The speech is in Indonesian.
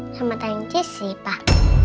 sama tanyan jesse pak